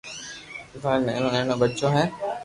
ٿاري نينو نينو ٻچو ھي